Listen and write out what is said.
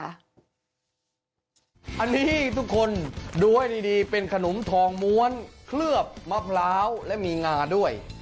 อันนี้ทุกคนดูให้ดีเป็นขนมทองม้วนเคลือบมะพร้าวและมีงาด้วย